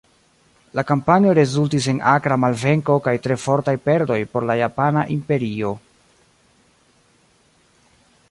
La kampanjo rezultis en akra malvenko kaj tre fortaj perdoj por la Japana Imperio.